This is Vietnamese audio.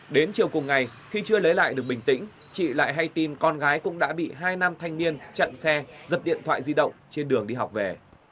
đến chiều cùng ngày khi chưa lấy lại được bình tĩnh chị lại hay tin con gái cũng đã bị hai nam thanh niên chặn xe giật điện thoại di động trên đường đi học về